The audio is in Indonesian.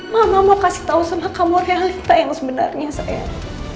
mama mau kasih tahu sama kamu realita yang sebenarnya saya